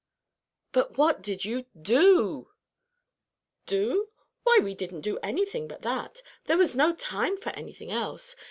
"But what did you do?" "Do? Why, we didn't do anything but that. There was no time for anything else.